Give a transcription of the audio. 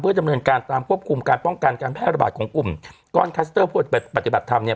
เพื่อจำนวนการควบคุมการป้องกันการแพลประบาทของกลุ่มก้อนคัสเตอร์ผู้ปฏิบัติธรรมเนี่ย